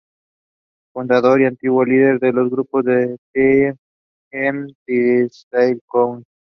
Fundador y antiguo líder de los grupos The Jam y The Style Council.